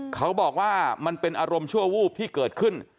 เขาบอกว่ามันเป็นอารมณ์ชั่ววูบที่เกิดขึ้น